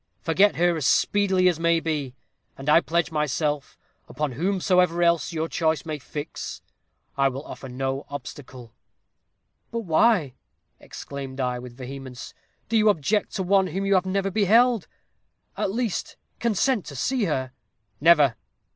Forget her as speedily as may be, and I pledge myself, upon whomsoever else your choice may fix, I will offer no obstacle.' "'But why,' exclaimed I, with vehemence, 'do you object to one whom you have never beheld? At least, consent to see her.' "'Never!'